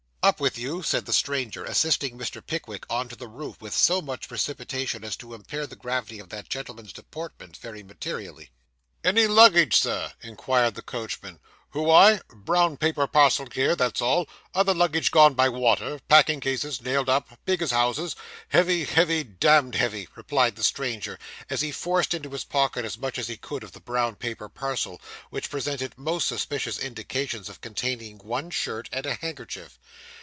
'Up with you,' said the stranger, assisting Mr. Pickwick on to the roof with so much precipitation as to impair the gravity of that gentleman's deportment very materially. 'Any luggage, Sir?' inquired the coachman. 'Who I? Brown paper parcel here, that's all other luggage gone by water packing cases, nailed up big as houses heavy, heavy, damned heavy,' replied the stranger, as he forced into his pocket as much as he could of the brown paper parcel, which presented most suspicious indications of containing one shirt and a handkerchief.